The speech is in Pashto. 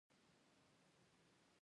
غڼه خپل جال په مهارت جوړوي